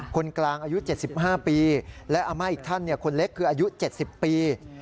คนกลางอายุ๗๕ปีและอาม่าอีกท่านคนเล็กคืออายุ๗๐ปี